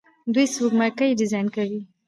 دوی سپوږمکۍ ډیزاین کوي.